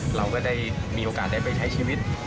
เราก็ได้มีโอกาสได้ไปใช้ชีวิต